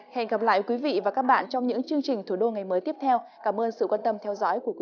hẹn gặp lại quý vị và các bạn trong những chương trình thủ đô ngày mới tiếp theo